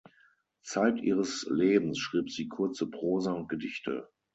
Zeit ihres Lebens schrieb sie kurze Prosa und Gedichte.